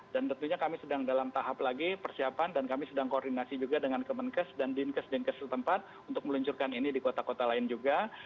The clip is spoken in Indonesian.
dan tentunya kami sedang dalam tahap lagi persiapan dan kami sedang koordinasi juga dengan kemenkes dan dinkes dinkes setempat untuk meluncurkan ini di kota kota lain juga